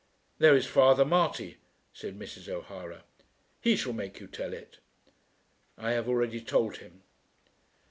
"There is Father Marty," said Mrs. O'Hara. "He shall make you tell it." "I have already told him."